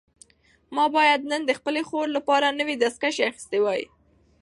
ما باید نن د خپلې خور لپاره نوي دستکشې اخیستې وای.